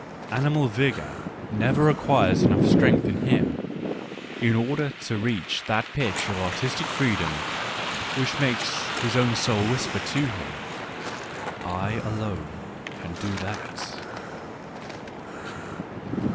Animal vigour never acquires enough strength in him in order to reach that pitch of artistic freedom which makes his own soul whisper to him : I, alone, can do that.